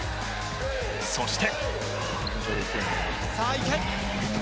そして。